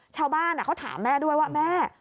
ชาวบ้านเขาถามแม่ด้วยว่าแม่